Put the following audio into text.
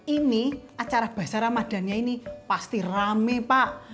ini acara basah ramadhannya ini pasti rame pak